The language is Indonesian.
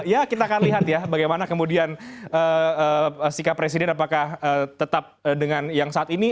ya kita akan lihat ya bagaimana kemudian sikap presiden apakah tetap dengan yang saat ini